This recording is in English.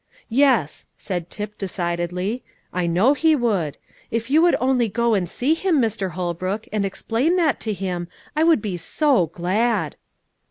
"Yes," said Tip decidedly, "I know he would. If you would only go and see him, Mr. Holbrook, and explain that to him, I would be so glad."